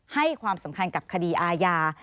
ให้ความสำคัญกับคดีอาญา